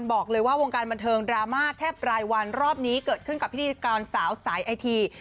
บอกเลยว่าวงการบันเทิงดราม่าแทบรายวันรอบนี้เกิดขึ้นกับพิธีกรสาวสายไอที